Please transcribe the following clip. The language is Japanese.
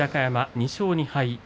２勝２敗。